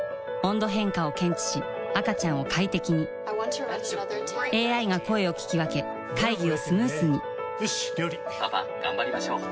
温度変化を検知し赤ちゃんを快適にＡＩが声を聞き分け会議をスムースによし！